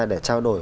để trao đổi